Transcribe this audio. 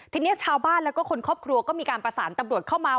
ทีนี้ชาวบ้านแล้วก็คนครอบครัวก็มีการประสานตำรวจเข้ามา